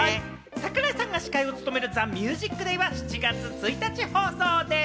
櫻井さんが司会を務める『ＴＨＥＭＵＳＩＣＤＡＹ』は７月１日放送です。